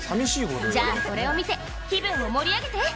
じゃあこれを見て気分を盛り上げて！